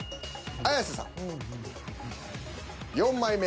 綾瀬さん。